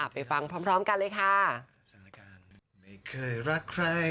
ไปฟังพร้อมกันเลยค่ะ